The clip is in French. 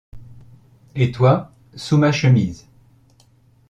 Et toi ?— Sous ma chemise.